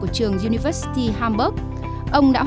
có những điều như thế mà thường xảy ra